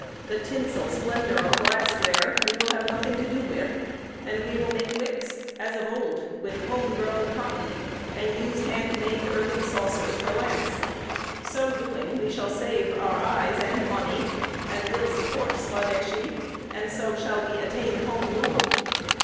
The tinsel splendour of glassware we will have nothing to do with and we will make wicks, as of old, with home grown cotton, and use hand made earthern saucers for lamps. So doing, we shall save our eyes and money, and will support Swadeshi, and so shall we attain Home Rule.